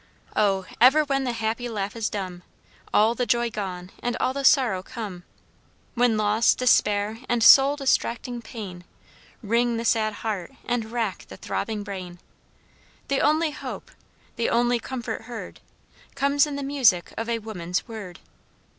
O! ever when the happy laugh is dumb, All the joy gone, and all the sorrow come, When loss, despair, and soul distracting pain, Wring the sad heart and rack the throbbing brain, The only hope the only comfort heard Comes in the music of a woman's word.